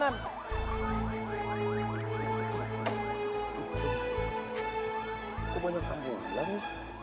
mas aku banyak ambulan nih